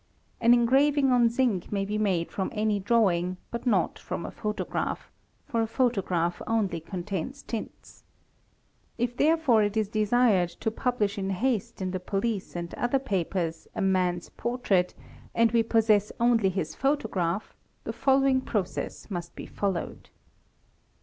An engraving on zinc may be made from any ~ drawing but not from a photograph, for a photograph only contains tints. If therefore it is desired to publish in haste in the police and other papers a man's portrait and we possess only his photograph the following process must be followed.